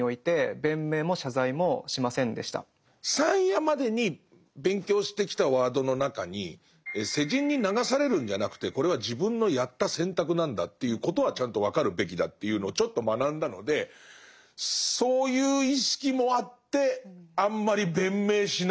３夜までに勉強してきたワードの中に世人に流されるんじゃなくてこれは自分のやった選択なんだっていうことはちゃんと分かるべきだというのをちょっと学んだのでそういう意識もあってあんまり弁明しないのかなっていう。